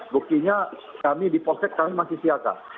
buktinya kami di polsek kami masih siaga